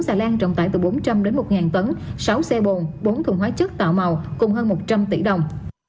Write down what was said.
sáu xà lan trọng tải từ bốn trăm linh đến một tấn sáu xe bồn bốn thùng hóa chất tạo màu cùng hơn một trăm linh tỷ đồng